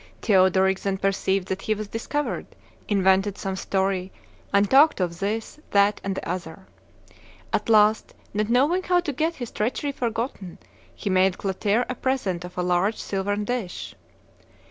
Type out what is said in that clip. Theodoric then perceived that he was discovered, invented some story, and talked of this, that, and the other. At last, not knowing how to get his treachery forgotten, he made Clotaire a present of a large silvern dish.